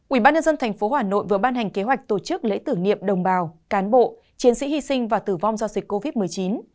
ubnd tp hà nội vừa ban hành kế hoạch tổ chức lễ tử nghiệm đồng bào cán bộ chiến sĩ hy sinh và tử vong do dịch covid một mươi chín